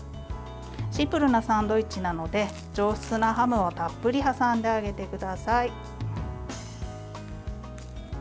シンプルなサンドイッチなので上質なハムをたっぷり挟んであげてください。